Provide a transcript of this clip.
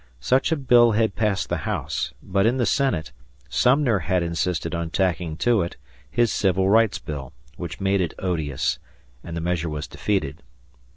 Such a bill had passed the House, but in the Senate, Sumner had insisted on tacking to it his Civil Rights Bill, which made it odious, and the measure was defeated.